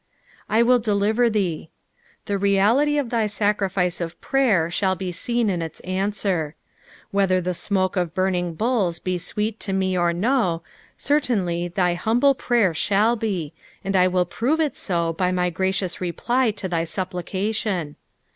"/ wui deliver thee." The reality of thy sacrifice of prayer shall be seen in its answer. Whether the smoke of burning bulls be sweet to me or mo, certainly thy bumble prayer shall be, and I will prove it bo by my gracioas 38 434 ESPOsmoKS of the psaliib. repi; to thy application.